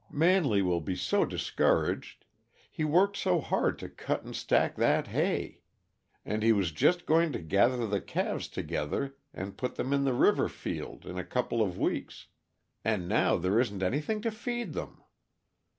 Manley will be so discouraged he worked so hard to cut and stack that hay. And he was just going to gather the calves together and put them in the river field, in a couple of weeks and now there isn't anything to feed them!"